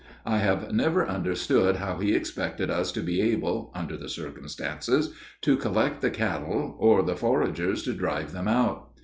I have never understood how he expected us to be able, under the circumstances, to collect the cattle, or the foragers to drive them out.